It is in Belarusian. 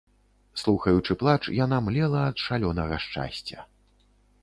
Слухаючы плач, яна млела ад шалёнага шчасця.